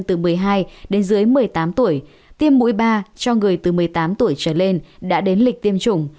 từ một mươi hai đến dưới một mươi tám tuổi tiêm mũi ba cho người từ một mươi tám tuổi trở lên đã đến lịch tiêm chủng